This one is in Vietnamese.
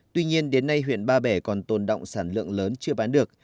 tuy nhiên đến nay huyện ba bể còn tồn động sản lượng lớn chưa bán được